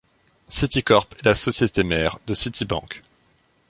Citicorp est la société mère de Citibank.